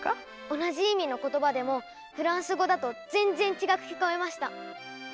同じ意味の言葉でもフランス語だと全然違く聞こえました。